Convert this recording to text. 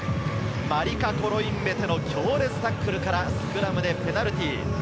マリカ・コロインベテの強烈なタックルからスクラムでペナルティー。